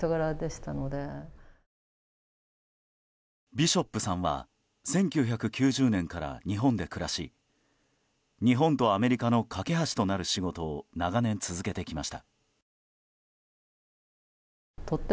ビショップさんは１９９０年から日本で暮らし日本とアメリカの懸け橋となる仕事を長年、続けてきました。